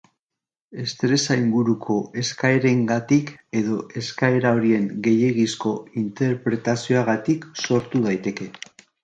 Estresa inguruko eskaerengatik edo eskaera horien gehiegizko interpretazioagatik sortu daiteke.